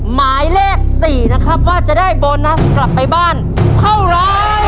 หมายเลข๔นะครับว่าจะได้โบนัสกลับไปบ้านเท่าไร